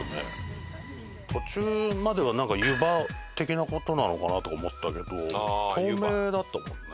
途中まではなんか湯葉的な事なのかなとか思ったけど透明だったからね。